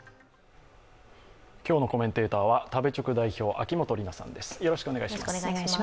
今日のコメンテーターは食べチョク代表秋元里奈さんです。